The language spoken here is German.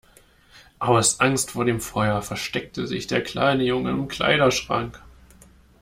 Aus Angst vor dem Feuer versteckte sich der kleine Junge im Kleiderschrank.